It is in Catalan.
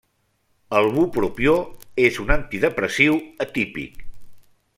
El bupropió és un antidepressiu atípic.